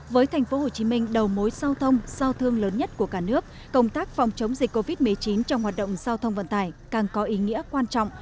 với tp hcm đầu mối giao thông giao thương lớn nhất của cả nước công tác phòng chống dịch covid một mươi chín trong hoạt động giao thông vận tải càng có ý nghĩa quan trọng